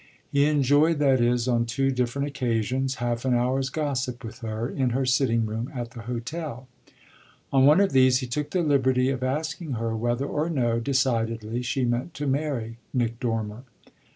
He enjoyed, that is, on two different occasions, half an hour's gossip with her in her sitting room at the hotel. On one of these he took the liberty of asking her whether or no, decidedly, she meant to marry Nick Dormer.